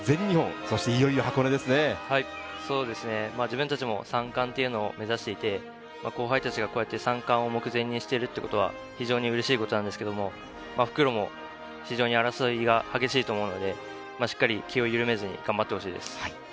そうですね、自分たちも３冠というのを目指していて、後輩たちがこうやって三冠を目前にしているということは非常に嬉しいことなんですけど、復路も非常に争いが激しいと思うのでしっかり気を緩めずに頑張ってほしいです。